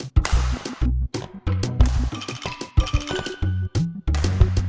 ayaknya kutut emi ke dahgian jaig delivering desink twiss